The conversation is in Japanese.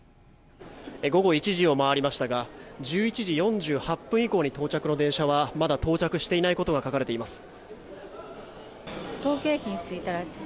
「午後１時を回りましたが１１時４８分以降に到着予定の列車がまだ到着していないことが書かれています」